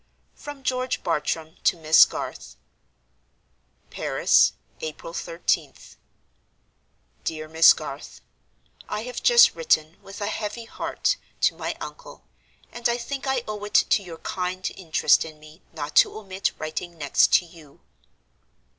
From George Bartram to Miss Garth. "Paris, April 13th. "DEAR MISS GARTH, "I have just written, with a heavy heart, to my uncle, and I think I owe it to your kind interest in me not to omit writing next to you.